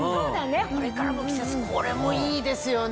これからの季節これもいいですよね。